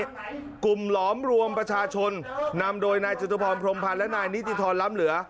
กลุ่มหลอมรวมประชาชนนำโดยนายจตุพรพรมพันธ์และนายนิติธรรมล้ำเหลือ